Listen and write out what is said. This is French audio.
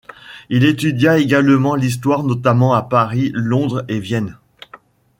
Il étudia également l'histoire, notamment à Paris, Londres et Vienne.